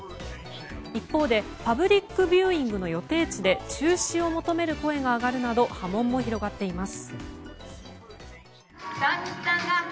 一方で、パブリックビューイングの予定地で中止を求める声が上がるなど波紋も広がっています。